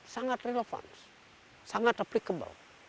sangat relevan sangat terpakai